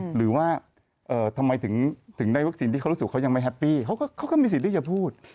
หรือว่าทำไมถึงได้วัคซีนที่เขารู้สึกเขายังไม่แฮปปี้เขาก็มีสิทธิ์ที่จะพูด